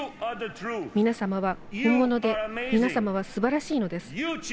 皆様は、本物で皆様は、すばらしいのです。